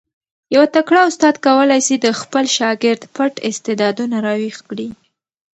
یو تکړه استاد کولای سي د خپل شاګرد پټ استعدادونه را ویښ کړي.